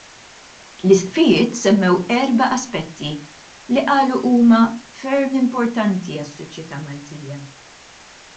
L-Isqfijiet semmew erba' aspetti li qalu huma ferm importanti għas-soċjetà Maltija.